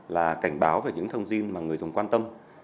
là cảnh báo về những thông tin mà người dùng quan tâm